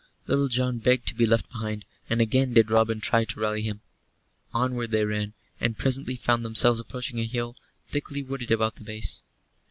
Little John begged to be left behind; and again did Robin try to rally him. Onward they ran; and presently found themselves approaching a hill, thickly wooded about the base.